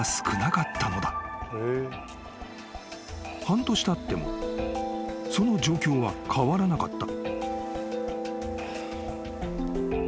［半年たってもその状況は変わらなかった］